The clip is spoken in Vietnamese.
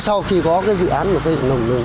sau khi có dự án xây dựng